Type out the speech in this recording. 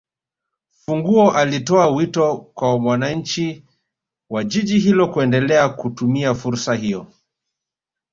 Fungo alitoa wito kwa wananchi wa Jiji hilo kuendelea kutumia fursa hiyo